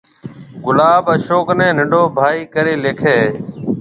گلاب اشوڪ نيَ ننڊو ڀائيَ ڪرَي ليکيَ ھيََََ